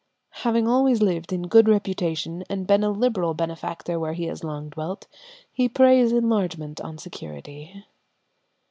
"Having always lived in good reputation and been a liberal benefactor where he has long dwelt, he prays enlargement on security."